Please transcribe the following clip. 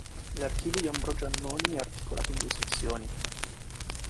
L'archivio di Ambrogio Annoni è articolato i due sezioni.